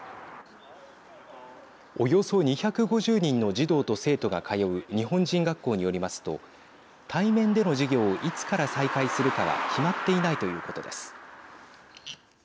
およそ２５０人の児童と生徒が通う日本人学校によりますと対面での授業をいつから再開するかは決まっていないということです。